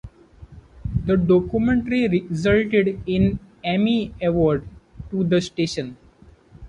The documentary resulted in an Emmy award to the station.